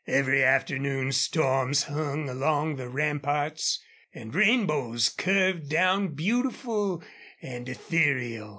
Every afternoon storms hung along the ramparts and rainbows curved down beautiful and ethereal.